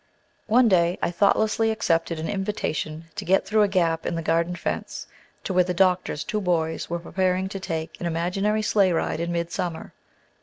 One day I thoughtlessly accepted an invitation to get through a gap in the garden fence, to where the doctor's two boys were preparing to take an imaginary sleigh ride in midsummer.